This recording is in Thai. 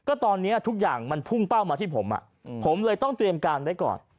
ก็ตอนนี้ทุกอย่างมันพุ่งเป้ามาที่ผมผมเลยต้องเตรียมการไว้ก่อน